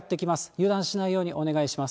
油断しないようにお願いします。